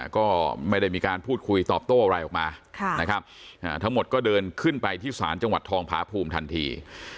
ก็ไม่ได้มีการพูดคุยตอบโต้อะไรออกมานะครับทั้งหมดก็เดินขึ้นไปที่ศาลจังหวัดทองผาภูมิทันที